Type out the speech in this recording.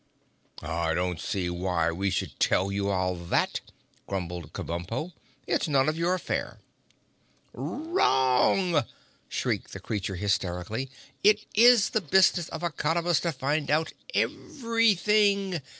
"I don't see why we should tell you all that," grumbled Kabumpo. "It's none of your affair." "Wrong!" shrieked the creature hysterically. "It is the business of a Cottabus to find out everything.